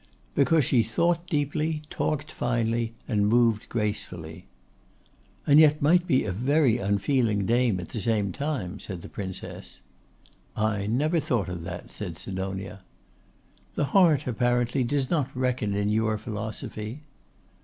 'Because she thought deeply, talked finely, and moved gracefully.' 'And yet might be a very unfeeling dame at the same time,' said the Princess. 'I never thought of that,' said Sidonia. 'The heart, apparently, does not reckon in your philosophy.